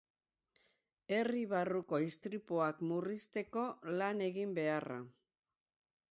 Herri-barruko istripuak murrizteko lan egin beharra.